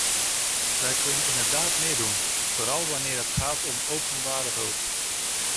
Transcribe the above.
Wij kunnen inderdaad meer doen, vooral wanneer het gaat om openbare hulp.